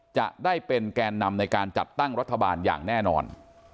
จะได้เป็นแกนนำในการจัดตั้งรัฐบาลอย่างแน่นอน